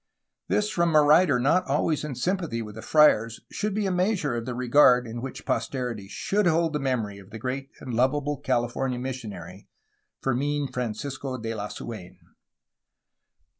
This from a writer not always in sympathy with the friars should be a measure of the regard in which posterity should hold the memory of the great and lovable California mis sionary, Fermin Francisco de Lasuen.